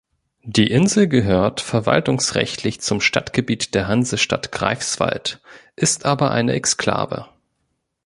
Die Insel gehört verwaltungsrechtlich zum Stadtgebiet der Hansestadt Greifswald, ist aber eine Exklave.